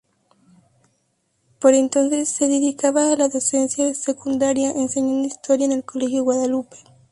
Por entonces se dedicaba a la docencia secundaria, enseñando Historia en el Colegio Guadalupe.